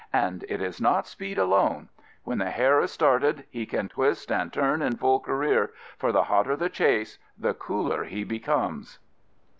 And it is not speed alone. When the hare is started he can twist and turn in full career, for the hotter the chase the cooler he becomes.